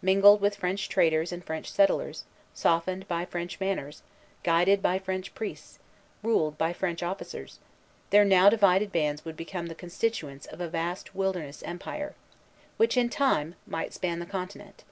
Mingled with French traders and French settlers, softened by French manners, guided by French priests, ruled by French officers, their now divided bands would become the constituents of a vast wilderness empire, which in time might span the continent.